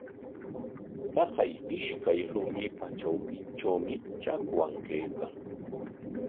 Taqay ishkay rumipa trawpintrawmi chakwan kaykan.